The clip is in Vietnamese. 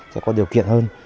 sẽ có điều kiện hơn